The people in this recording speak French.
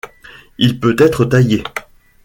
Il peut être taillé.